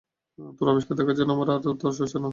তোর আবিষ্কার দেখার জন্য আমাদের আর তর সইছে না!